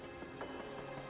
dia juga menangis